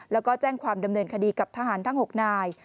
แล้วก็แจ้งความดำเนินคดีกับทหารทั้ง๖นาย